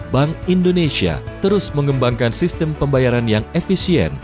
bank indonesia terus mengembangkan sistem pembayaran yang efisien